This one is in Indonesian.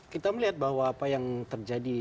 kita melihat bahwa apa yang terjadi